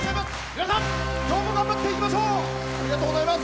皆さん、きょうも頑張っていきましょう！